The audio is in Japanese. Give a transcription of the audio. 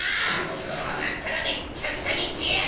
こうなったらめっちゃくちゃにしてやる！